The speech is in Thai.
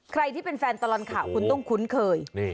ใครที่เป็นแฟนตลอดข่าวคุณต้องคุ้นเคย